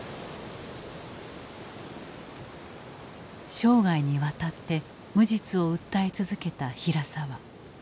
生涯にわたって無実を訴え続けた平沢。